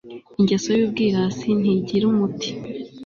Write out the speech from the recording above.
ingeso y'ubwirasi ntigira umuti